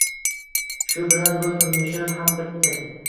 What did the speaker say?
Shu bilan bu turmushim ham bitdi